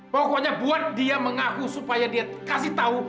pokoknya buat dia mengaku supaya dia kasih tahu